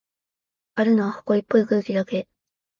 あるのは、ほこりっぽい空気だけ。